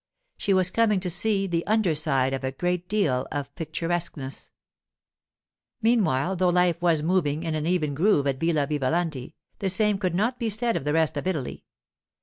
She was coming to see the under side of a great deal of picturesqueness. Meanwhile, though life was moving in an even groove at Villa Vivalanti, the same could not be said of the rest of Italy.